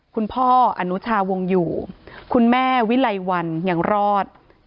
คุณพ่ออนุชาวงอยู่คุณแม่วิไลวันยังรอด